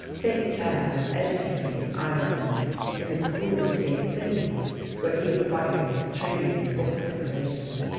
St. Chad was educated in Ireland in the school of St. Finian, where he acquired his training in book decoration.